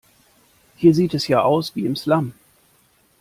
Hier sieht es ja aus wie im Slum.